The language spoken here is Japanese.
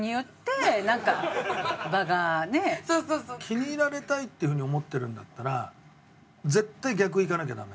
気に入られたいっていう風に思ってるんだったら絶対逆いかなきゃダメ。